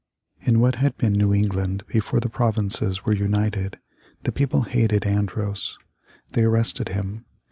In what had been New England before the provinces were united, the people hated Andros. They arrested him.